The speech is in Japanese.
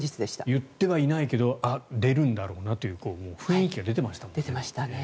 言ってはいないけど出るんだろうなという雰囲気が出ていましたもんね。